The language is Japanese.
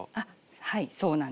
はいそうなんです。